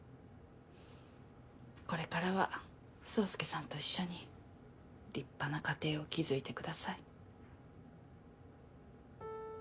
これからは宗介さんと一緒に立派な家庭を築いてください。